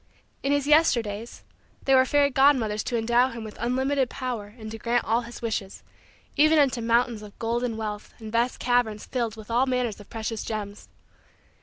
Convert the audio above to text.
In his Yesterdays, there were fairy Godmothers to endow him with unlimited power and to grant all his wishes, even unto mountains of golden wealth and vast caverns filled with all manner of precious gems.